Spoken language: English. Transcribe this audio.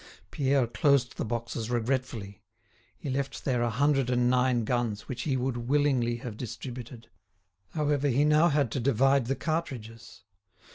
Pierre closed the boxes regretfully; he left there a hundred and nine guns which he would willingly have distributed; however, he now had to divide the cartridges.